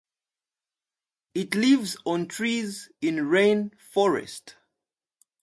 It lives on trees in rainforest.